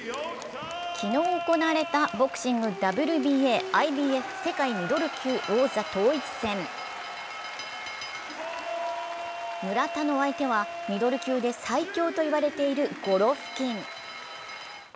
昨日行われたボクシングＷＢＡ・ＩＢＦ世界ミドル級王座統一戦村田の相手はミドル級で最強といわれているゴロフキン。